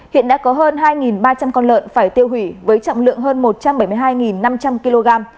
hiện đã có hơn hai ba trăm linh con lợn phải tiêu hủy với trọng lượng hơn một trăm bảy mươi hai năm trăm linh kg